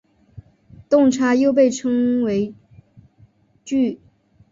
动差又被称为矩。